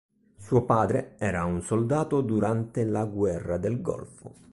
Suo padre era un soldato durante la guerra del Golfo.